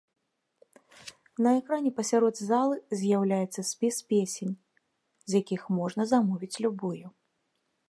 На экране пасярод залы з'яўляецца спіс песень, з якіх можна замовіць любую.